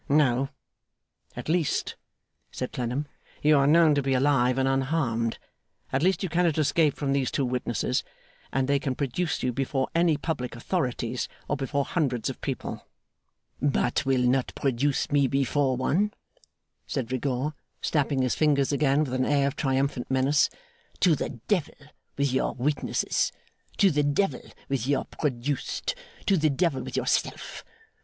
'No! At least,' said Clennam, 'you are known to be alive and unharmed. At least you cannot escape from these two witnesses; and they can produce you before any public authorities, or before hundreds of people!' 'But will not produce me before one,' said Rigaud, snapping his fingers again with an air of triumphant menace. 'To the Devil with your witnesses! To the Devil with your produced! To the Devil with yourself!